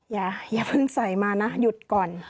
อย่าเพิ่งใส่มานะหยุดก่อน